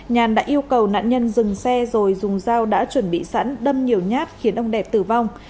nhàn đã yêu cầu nạn nhân dừng xe rồi dùng dao đã chuẩn bị sẵn đâm nhiều nhát khiến ông đẹp tử vong